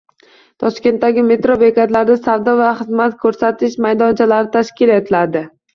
Toshkentdagi metro bekatlarida savdo va xizmat ko‘rsatish maydonchalari tashkil etiladi